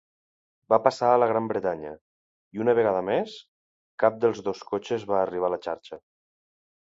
Va passar a la Gran Bretanya i, una vegada més, cap dels dos cotxes va arribar a la xarxa.